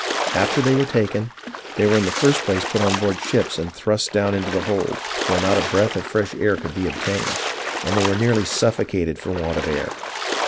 " After they were taken, they were in the first place put on board the ships and thrust down into the hold, where not a breath of fresh air could be obtained, and they were nearly suffocated for want of air.